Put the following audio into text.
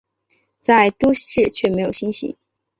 在都市却没有星星